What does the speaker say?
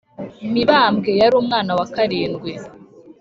mibambwe yarumwana wa karindwi